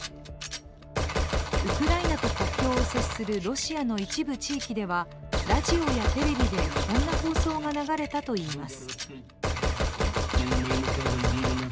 ウクライナと国境を接するロシアの一部地域ではラジオやテレビでこんな放送が流れたといいます。